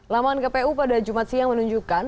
laman kpu pada jumat siang menunjukkan